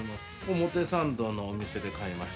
表参道のお店で買いました。